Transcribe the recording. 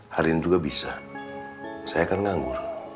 hari ini juga bisa saya kan nganggur